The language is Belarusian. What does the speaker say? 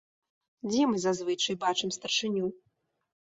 Дзе мы зазвычай бачым старшыню?